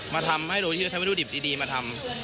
มาทำให้โดยที่ใช้อุ้ยดิบดีมาทำ